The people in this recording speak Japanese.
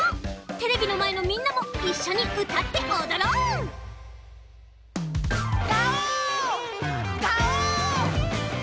テレビのまえのみんなもいっしょにうたっておどろう！がおー！がおー！